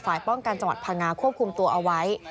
ป้องกันจังหวัดพังงาควบคุมตัวเอาไว้